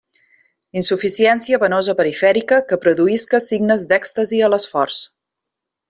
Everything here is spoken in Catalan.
Insuficiència venosa perifèrica que produïsca signes d'èxtasi a l'esforç.